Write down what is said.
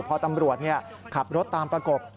พอตำรวจขับรถตามประกบ